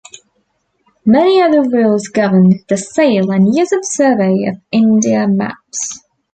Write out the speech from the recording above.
Many other rules govern the sale and use of Survey of India maps.